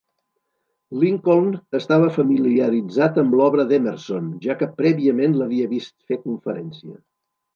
Lincoln estava familiaritzat amb l'obra d'Emerson, ja que prèviament l'havia vist fer conferència.